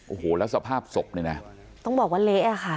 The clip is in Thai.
โอ้โหแล้วสภาพศพนี่นะต้องบอกว่าเละอ่ะค่ะ